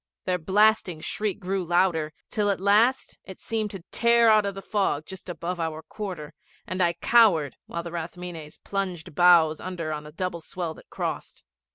Their blasting shriek grew louder, till at last it seemed to tear out of the fog just above our quarter, and I cowered while the Rathmines plunged bows under on a double swell that crossed.